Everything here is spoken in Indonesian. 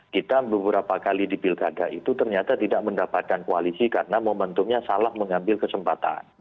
kita beberapa kali di pilkada itu ternyata tidak mendapatkan koalisi karena momentumnya salah mengambil kesempatan